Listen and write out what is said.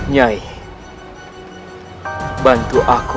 nyai bantu aku